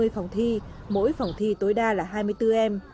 phòng thi mỗi phòng thi tối đa là hai mươi bốn em